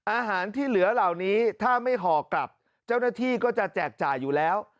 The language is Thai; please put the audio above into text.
อาหารที่เหลือเหล่านี้ถ้าไม่ห่อกลับเจ้าหน้าที่ก็จะแจกจ่ายอยู่แล้ว